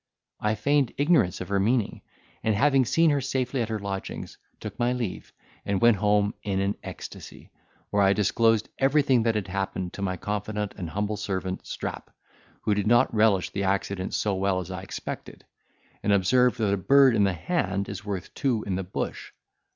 I feigned ignorance of her meaning, and having seen her safely at her lodgings, took my leave, and went home in an ecstasy, where I disclosed everything that had happened to my confidant and humble servant, Strap, who did not relish the accident so well as I expected; and observed, that a bird in the hand is worth two in the bush.